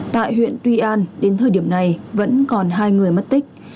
tại huyện tuy an đến thời điểm này vẫn còn hai người mất tích